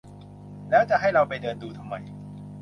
แล้วจะให้เราไปเดินดูทำไม